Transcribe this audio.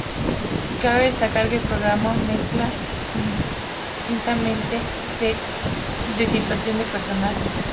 Cabe destacar que el programa mezcla indistintamente "sketches" de situación y de personajes.